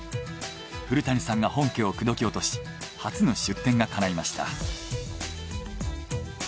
古谷さんが本家を口説き落とし初の出店がかないました。